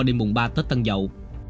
đi mùng ba tết tân dậu